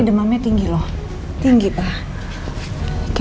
demamnya tinggi loh tinggi pak